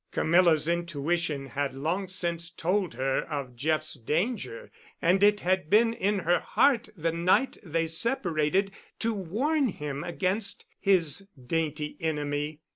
Camilla's intuition had long since told her of Jeff's danger, and it had been in her heart the night they separated to warn him against his dainty enemy.